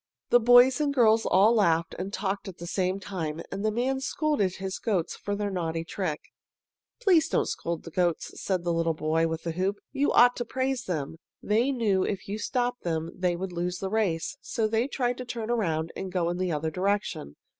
The boys and girls all laughed and talked at the same time, and the man scolded his goats for their naughty trick. "Please don't scold the goats," said the little boy with the hoop. "You ought to praise them. They knew if you stopped them they would lose the race, so they tried to turn around and go in the other direction.